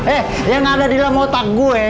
eh yang ada di dalam otak gue